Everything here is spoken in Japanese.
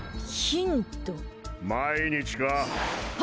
毎日かあ？